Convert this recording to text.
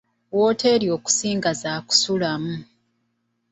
Wooteeri okusinga za kusulamu.